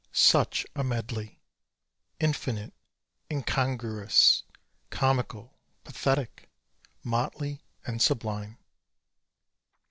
Such a medley infinite, incongruous, comical, pathetic, motley and sublime.